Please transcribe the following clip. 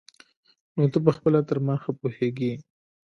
نو ته پخپله تر ما ښه پوهېږي.